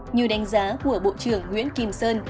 như đánh giá của bộ trưởng nguyễn kim sơn